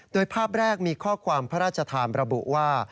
โดยภาพแรกมีข้อความพระราชทานระบุว่า